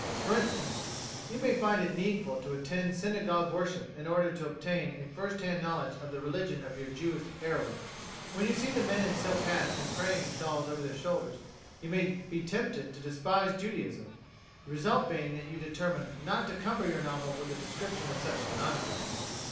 For instance, you may find it needful to attend synagogue worship in order to obtain a first hand knowledge of the religion of your Jewish heroine. When you see the men in silk hats, and praying shawls over their shoulders, you may be tempted to despise Judaism; the result being that you determine not to cumber your novel with a description of such "nonsense."